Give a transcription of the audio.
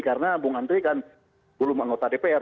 karena bung andri kan belum mengotak dpr